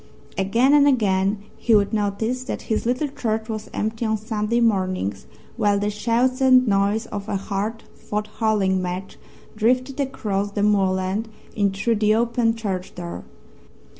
Again and again he would notice that his little church was empty on Sunday mornings while the shouts and noise of a hard fought Hurling match drifted across the moorland in through the open church door.